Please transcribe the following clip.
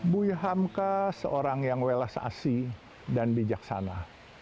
bui hamka seorang yang welas asi dan bijaksana